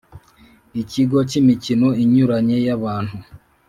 Ikigo k’imikino inyuranye y’abantu